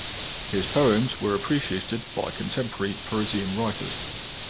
His poems were appreciated by contemporary Parisian writers.